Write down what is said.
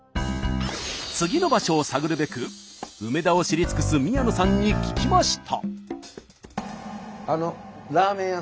次の場所を探るべく梅田を知り尽くす宮野さんに聞きました。